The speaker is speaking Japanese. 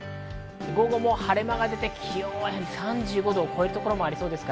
午後も晴れ間が出て、気温が３５度を超えるところもありそうです。